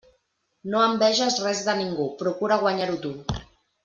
No enveges res de ningú, procura guanyar-ho tu.